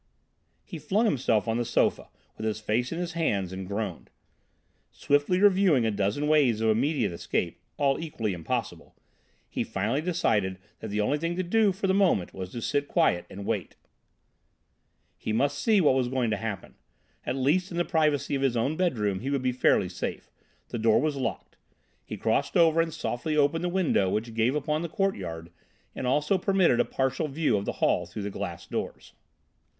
He flung himself on the sofa, with his face in his hands, and groaned. Swiftly reviewing a dozen ways of immediate escape, all equally impossible, he finally decided that the only thing to do for the moment was to sit quiet and wait. He must see what was going to happen. At least in the privacy of his own bedroom he would be fairly safe. The door was locked. He crossed over and softly opened the window which gave upon the courtyard and also permitted a partial view of the hall through the glass doors.